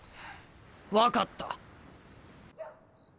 分かった。